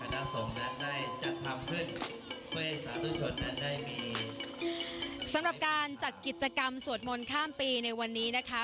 ได้จัดทำขึ้นเพื่อให้สาธุชนนั้นได้มีสำหรับการจัดกิจกรรมสวดมนต์ข้ามปีในวันนี้นะคะ